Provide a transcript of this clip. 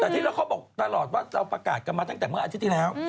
แต่ที่แล้วเขาบอกตลอดว่าเราประกาศกันมาตั้งแต่เมื่ออาทิตย์ที่แล้ว